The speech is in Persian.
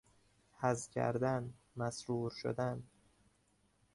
حظ کردن، مسرور شدن